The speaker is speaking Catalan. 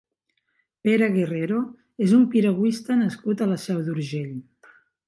Pere Guerrero és un piragüista nascut a la Seu d'Urgell.